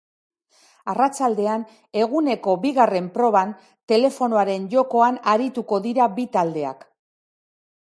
Arratsaldean, eguneko bigarren proban, telefonoaren jokoan arituko dira bi taldeak.